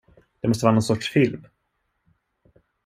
Det måste vara någon sorts film.